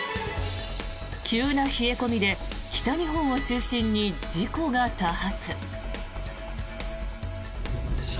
急な冷え込みで北日本を中心に事故が多発。